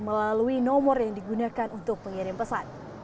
melalui nomor yang digunakan untuk pengirim pesan